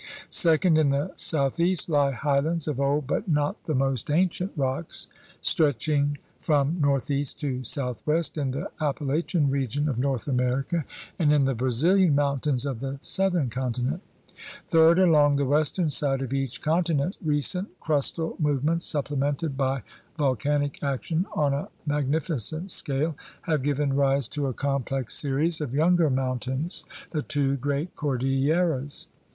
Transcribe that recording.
Second, in the south east lie highlands of old but not the most ancient rocks stretching from northeast to southwest in the Appalachian region of North America and in 48 THE RED MAN'S CONTINENT the Brazilian mountains of the southern continent. Third, along the western side of each continent recent crustal movements supplemented by vol canic action on a magnificent scale have given rise to a complex series of younger mountains, the two great cordilleras.